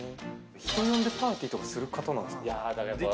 人呼んでパーティーとかする人なんでしょうか？